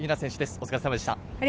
お疲れ様でした。